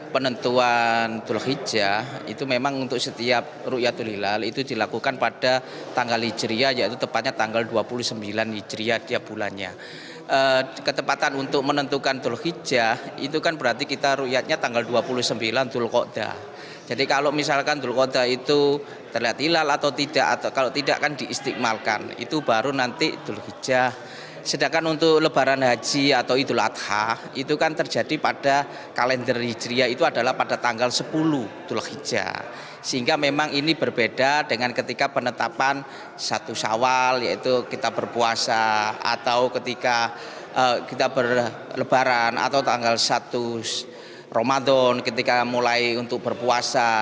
pemeriksaan haji atau idul adha itu kan terjadi pada kalender hijriah itu adalah pada tanggal sepuluh tul hija sehingga memang ini berbeda dengan ketika penetapan satu sawal yaitu kita berpuasa atau ketika kita berlebaran atau tanggal satu ramadan ketika mulai untuk berpuasa